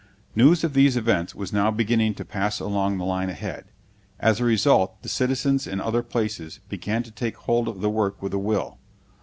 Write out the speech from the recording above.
News of these events was now beginning to pass along the line ahead. As a result the citizens in other places began to take hold of the work with a will.